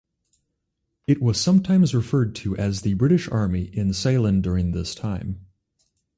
It was sometimes referred to as the British Army in Ceylon during this time.